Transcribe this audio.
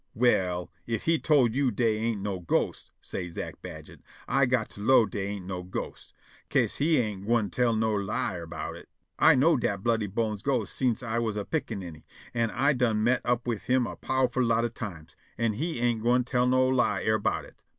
"Well, if he tol' you dey ain't no ghosts," say' Zack Badget, "I got to 'low dey ain't no ghosts, 'ca'se he ain' gwine tell no lie erbout it. I know dat Bloody Bones ghost sence I was a piccaninny, an' I done met up wif him a powerful lot o' times, an' he ain't gwine tell no lie erbout it.